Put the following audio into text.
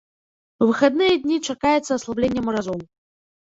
У выхадныя дні чакаецца аслабленне маразоў.